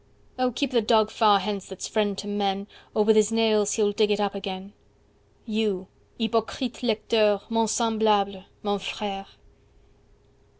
Oh keep the Dog far hence, that's friend to men, Or with his nails he'll dig it up again! 75 You! hypocrite lecteur!—mon semblable,—mon frère!"